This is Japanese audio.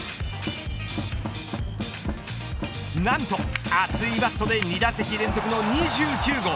何と熱いバットで２打席連続の２９号。